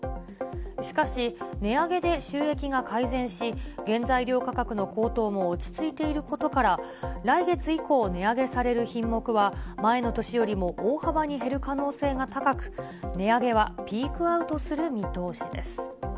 しかし、値上げで収益が改善し、原材料価格の高騰も落ち着いていることから、来月以降、値上げされる品目は前の年よりも大幅に減る可能性が高く、値上げはピークアウトする見通しです。